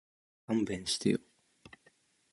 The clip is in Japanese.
勘弁してよ